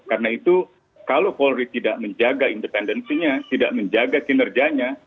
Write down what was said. karena itu kalau polri tidak menjaga independensinya tidak menjaga kinerjanya